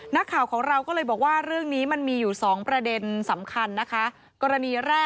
นักข่าวของเราก็เลยบอกว่าเรื่องนี้มันมีอยู่สองประเด็นสำคัญนะคะ